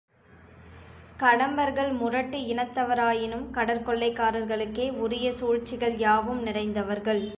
கடம்பர்கள் முரட்டு இனத்தவராயினும் கடற்கொள்ளைக்காரர்களுக்கே உரிய சூழ்ச்சிகள் யாவும் நிறைந்தவர்கள்.